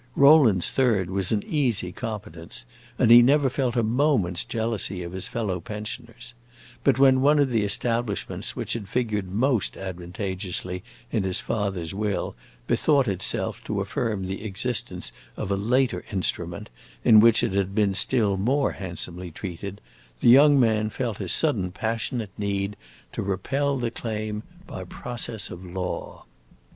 Rowland's third was an easy competence, and he never felt a moment's jealousy of his fellow pensioners; but when one of the establishments which had figured most advantageously in his father's will bethought itself to affirm the existence of a later instrument, in which it had been still more handsomely treated, the young man felt a sudden passionate need to repel the claim by process of law.